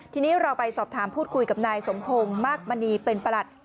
ทีนี้เราไปสอบถามพูดคุยกับนายสมพงศ์มากมณีเป็นประหลัด